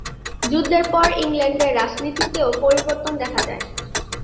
যুদ্ধের পর ইংল্যান্ডের রাজনীতিতেও পরিবর্তন দেখা যায়।